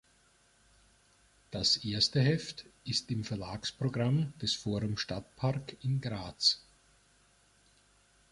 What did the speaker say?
Das erste Heft ist im Verlagsprogramm des Forum Stadtpark in Graz.